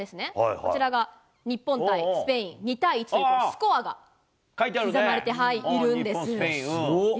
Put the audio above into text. こちらが日本対スペイン、２対１と、スコアが刻まれているんです。